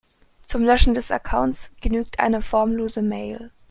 Zum Löschen des Accounts genügt eine formlose Mail.